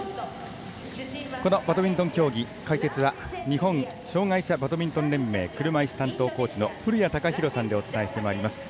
このバドミントン競技解説は日本障がい者バドミントン連盟車いす担当コーチの古谷さんでお伝えしてまいります。